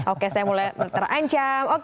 oke saya mulai terancam